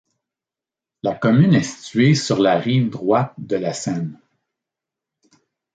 La commune est située sur la rive droite de la Seine.